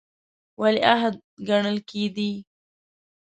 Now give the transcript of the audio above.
ولیعهد ګڼل کېدی.